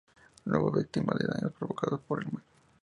No hubo víctimas ni daños provocados por el mar.